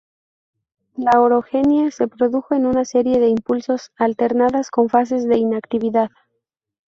La Orogenia se produjo en una serie de impulsos, alternadas con fases de inactividad.